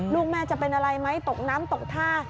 ลูกแม่จะเป็นอะไรไหมตกน้ำตกท่า